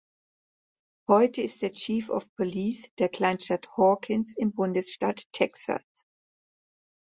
Heute ist er "Chief of Police" der Kleinstadt Hawkins im Bundesstaat Texas.